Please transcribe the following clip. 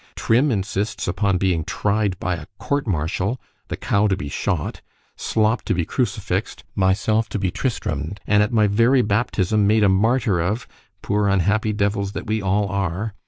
——Trim insists upon being tried by a court martial—the cow to be shot—Slop to be crucifix'd—myself to be tristram'd and at my very baptism made a martyr of;——poor unhappy devils that we all are!